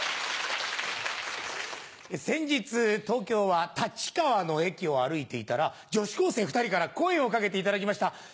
先日東京は立川の駅を歩いていたら女子高生２人から声を掛けていただきました。